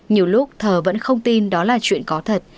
nhiều lúc thờ vẫn không tin đó là chuyện có thật